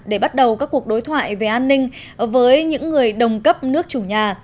để bắt đầu các cuộc đối thoại về an ninh với những người đồng cấp nước chủ nhà